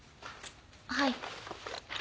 はい。